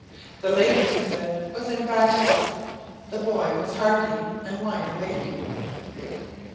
The lady, he said, was in bad health the boy was hearty and wide awake.